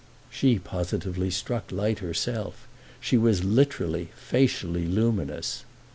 She positively struck light herself—she was literally, facially luminous.